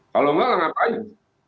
kalau tidak lah ngapain